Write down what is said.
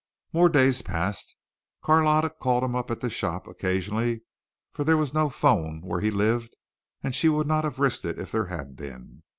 More days passed. Carlotta called him up at the shop occasionally, for there was no phone where he lived, and she would not have risked it if there had been.